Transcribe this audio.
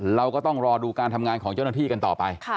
เราก็ต้องรอดูการทำงานของเจ้าหน้าที่กันต่อไป